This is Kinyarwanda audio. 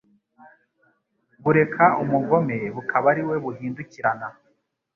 bureka umugome bukaba ari we buhindukirana